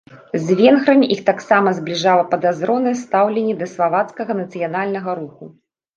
З венграмі іх таксама збліжала падазронае стаўленне да славацкага нацыянальнага руху.